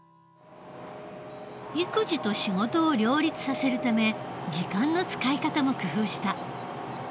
育児と仕事を両立させるため時間の使い方も工夫した。